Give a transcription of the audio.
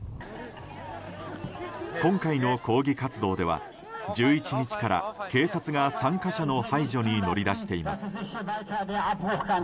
今回の抗議活動では１１日から警察が参加者の排除に乗り出しています。